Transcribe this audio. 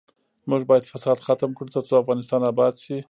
موږ باید فساد ختم کړو ، ترڅو افغانستان اباد شي.